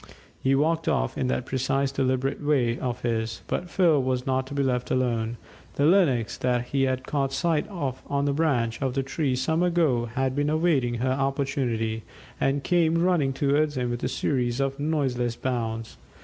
He walked off in that precise, deliberate way of his, but Phil was not to be left alone. The Lynx that he had caught sight of on the branch of the tree some time ago had been awaiting her opportunity, and came running towards him with a series of noiseless bounds.